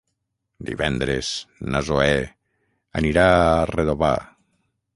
Divendres na Zoè anirà a Redovà.